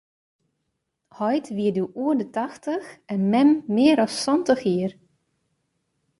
Heit wie doe oer de tachtich en mem mear as santich jier.